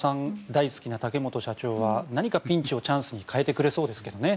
大好きな竹本社長は何かピンチをチャンスに変えてくれそうですけどね。